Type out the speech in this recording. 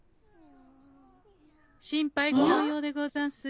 ・心配ご無用でござんすよ。